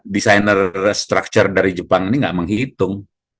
desainer structure dari jepang ini nggak menghitung